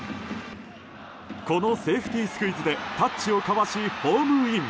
このセーフティースクイズでタッチをかわしホームイン。